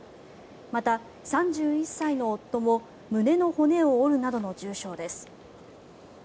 また、３１歳の夫も胸の骨を折るなどの重傷です。